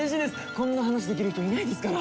こんな話できる人いないですから。